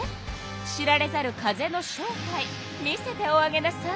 知られざる風の正体見せておあげなさい。